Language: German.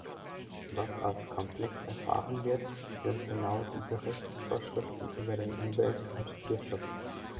Was als komplex erfahren wird, sind genau diese Rechtsvorschriften über den Umwelt- und Tierschutz.